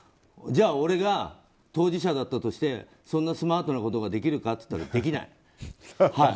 じゃあ俺が当事者だったとしてそんなスマートなことができるかといったらできない。